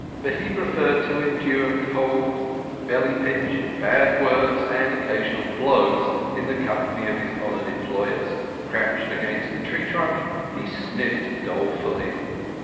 But he preferred to endure cold, belly pinch, bad words, and occasional blows in the company of his honoured employers. Crouched against a tree trunk, he sniffed dolefully.